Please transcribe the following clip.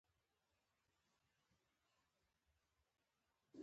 خلک چې یو بل نه پېژني، د ګډ باور په اساس مرسته کوي.